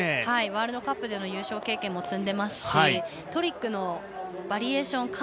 ワールドカップでの優勝経験も積んでいますしトリックのバリエーション